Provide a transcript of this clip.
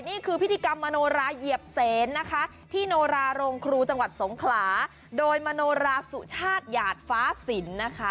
นี่คือพิธีกรรมมโนราเหยียบเสนนะคะที่โนราโรงครูจังหวัดสงขลาโดยมโนราสุชาติหยาดฟ้าสินนะคะ